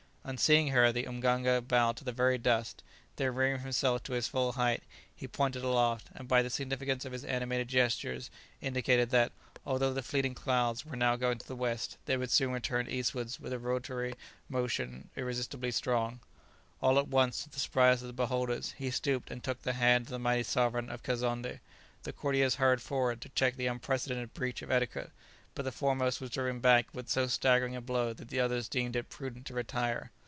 On seeing her, the mganga bowed to the very dust; then, rearing himself to his full height, he pointed aloft, and by the significance of his animated gestures indicated that, although the fleeting clouds were now going to the west, they would soon return eastwards with a rotatory motion irresistibly strong. [Illustration: The entire crowd joined in. Page 441.] All at once, to the surprise of the beholders, he stooped and took the hand of the mighty sovereign of Kazonndé. The courtiers hurried forward to check the unprecedented breach of etiquette, but the foremost was driven back with so staggering a blow that the others deemed it prudent to retire.